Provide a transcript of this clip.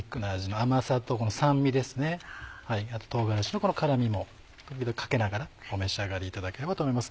あと唐辛子の辛味も時々かけながらお召し上がりいただければと思います。